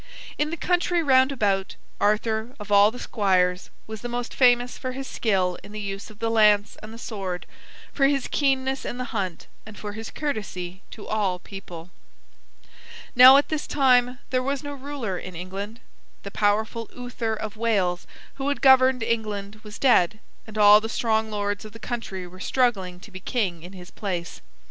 In the country round about, Arthur, of all the squires, was the most famous for his skill in the use of the lance and the sword, for his keenness in the hunt, and for his courtesy to all people. Now, at this time there was no ruler in England. The powerful Uther of Wales, who had governed England, was dead, and all the strong lords of the country were struggling to be king in his place.